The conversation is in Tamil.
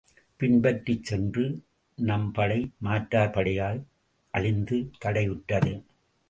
பின்பற்றிச் சென்ற நம் படை மாற்றார் படையால் அழிந்து தடை யுற்றது.